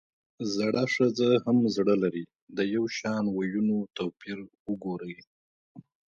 زړه ښځه هم زړۀ لري ؛ د يوشان ويونو توپير وګورئ!